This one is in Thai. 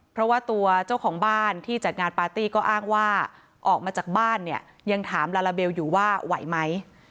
เพราะว่าตัวเจ้าของบ้านที่จัดงานปาร์ตี้ก็อ้างว่าออกมาจากบ้านเนี่ยยังถามลาลาเบลอยู่ว่าไหวไหม